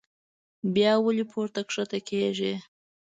بيا ولې پورته کښته کيږي